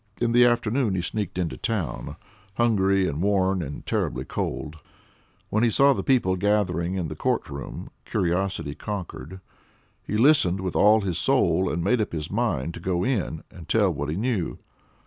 In the afternoon he sneaked into town, hungry and worn and terribly cold. When he saw the people gathering in the court room, curiosity conquered. He listened with all his soul, and made up his mind to go in and tell what he knew.